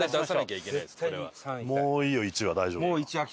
もういいよ「１」は大丈夫だから。